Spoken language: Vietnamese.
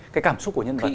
cái cảm xúc của nhân vật